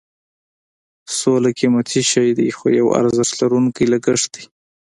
سوله قیمتي شی دی خو یو ارزښت لرونکی لګښت دی.